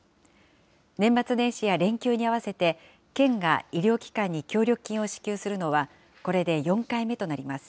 年末年始や連休にあわせて、県が医療機関に協力金を支給するのは、これで４回目となります。